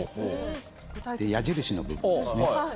矢印の部分ですね。